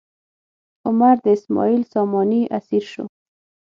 عمر د اسماعیل ساماني اسیر شو.